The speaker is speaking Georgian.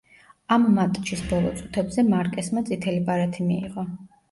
ამ მატჩის ბოლო წუთებზე მარკესმა წითელი ბარათი მიიღო.